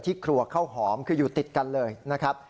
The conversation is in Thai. ครัวข้าวหอมคืออยู่ติดกันเลยนะครับ